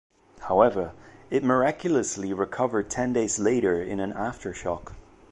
However, it miraculously recovered ten days later in an aftershock.